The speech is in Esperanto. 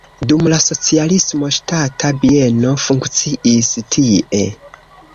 Dum la socialismo ŝtata bieno funkciis tie.